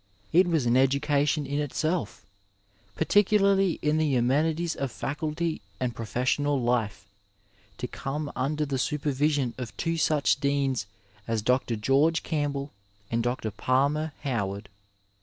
It was an education in itself, particulaily in the amenities of faculty and professional life, to come under the supervision of two such Deans as Dr. George Oampbell and Dr. Palmer Howard.